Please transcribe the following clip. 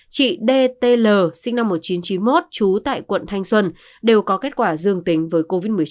chị d t l sinh năm một nghìn chín trăm chín mươi một chú tại quận thanh xuân đều có kết quả dương tính với covid một mươi chín